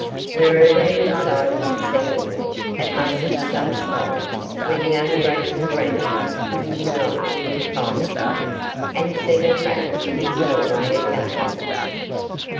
Wherever he decided to settle, it must be some spot where the ungrateful rancher wouldn't be likely to find him, and set a trap in his doorway again.